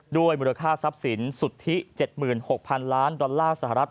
มูลค่าทรัพย์สินสุทธิ๗๖๐๐๐ล้านดอลลาร์สหรัฐ